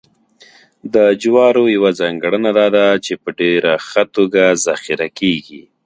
د جوارو یوه ځانګړنه دا ده چې په ډېره ښه توګه ذخیره کېږي